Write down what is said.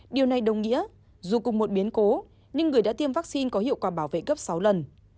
điều này đồng nghĩa dù cùng một biến cố nhưng người đã tiêm vaccine có hiệu quả bảo vệ gấp sáu lần